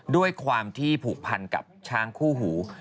ด้วยความที่ผูกพันกับช้างคู่หู